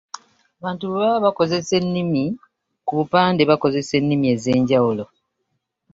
Abantu bwebaba bakozesa ennimi ku bupande bakozesa ennimi ez'enjawulo.